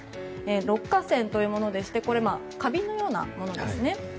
六華撰というものでして花瓶のようなものですね。